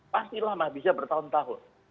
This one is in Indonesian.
pasti lama bisa bertahun tahun